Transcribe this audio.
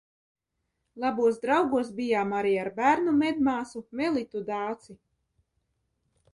Labos draugos bijām arī ar bērnu medmāsu Melitu Dāci.